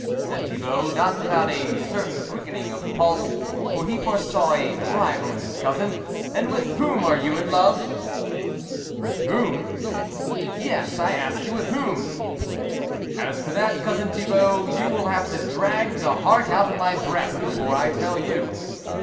" said Thibault, not without a certain quickening of the pulse, for he foresaw a rival in his cousin, " and with whom are you in love ?"" With whom ?"" Yes, I ask you with whom ?"" As to that, Cousin Thibault, you will have to drag the heart out of my breast before I tell you."